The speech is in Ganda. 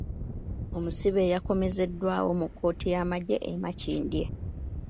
Omusibe yakomezeddwawo mu kkooti y’amaggye e Makindye.